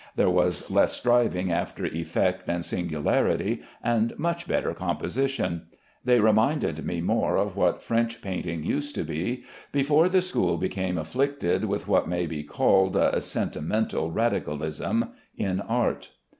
There was less striving after effect and singularity, and much better composition. They reminded me more of what French painting used to be before the school became afflicted with what may be called "sentimental radicalism" in art.